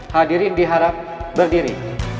hadirin diharap berdiri